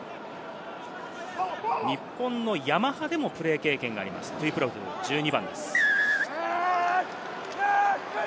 日本のヤマハでもプレー経験があります、トゥイプロトゥ・１２番です。